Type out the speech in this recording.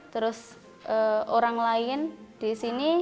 terus orang lain di sini